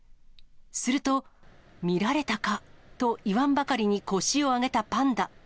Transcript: すると、見られたかと言わんばかりに腰を上げたパンダ。